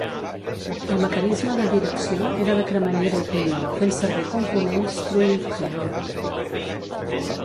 El mecanisme de direcció era de cremallera i pinyó fent servir components Truimph Herald.